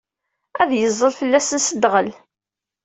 Ad yeẓẓel fell-asen s dɣel.